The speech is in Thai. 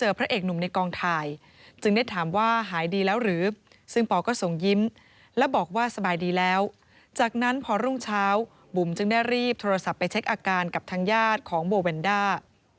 บุ๋มจึงได้รีบโทรศัพท์ไปเช็คอาการกับทางญาติของโบแวนด้า